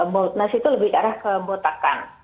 boldness itu lebih ke arah kebotakan